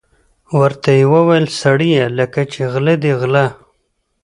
ورته ویې ویل: سړیه لکه چې غله دي غله.